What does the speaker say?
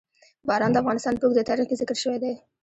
باران د افغانستان په اوږده تاریخ کې ذکر شوی دی.